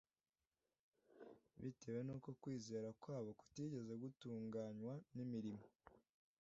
bitewe n'uko kwizera kwabo kutigeze gutunganywa n'imirimo